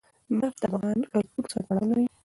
نفت د افغان کلتور سره تړاو لري.